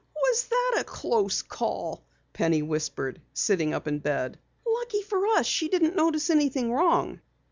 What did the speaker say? "Was that a close call!" Penny whispered, sitting up in bed. "Lucky for us she didn't notice anything wrong."